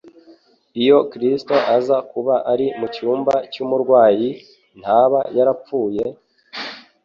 Iyo Kristo aza kuba ari mu cyumba cy'umurwayi, ntaba yarapfuye,